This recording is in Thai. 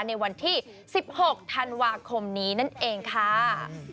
ในวันที่๑๖ธันวาคมนี้นั่นเองค่ะ